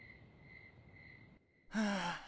はあ